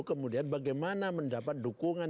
kemudian bagaimana mendapat dukungan